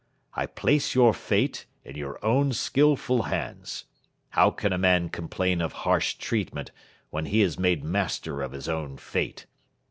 I place your fate in your own skilful hands. How can a man complain of harsh treatment when he is made master of his own fate?